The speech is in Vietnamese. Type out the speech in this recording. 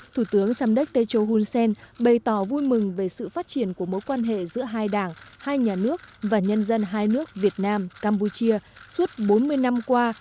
thủ tướng samdek techo hun sen bày tỏ vui mừng về sự phát triển của mối quan hệ giữa hai đảng hai nhà nước và nhân dân hai nước việt nam campuchia suốt bốn mươi năm qua